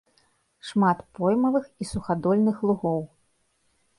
Шмат поймавых і сухадольных лугоў.